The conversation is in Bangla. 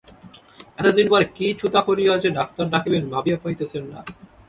এতদিন পরে কী ছুতা করিয়া যে ডাক্তার ডাকিবেন, ভাবিয়া পাইতেছেন না।